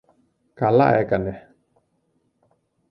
Καλά έκανε!